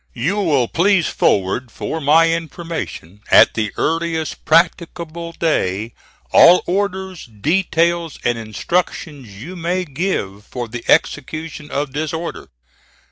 "You will please forward for my information, at the earliest practicable day, all orders, details, and instructions you may give for the execution of this order.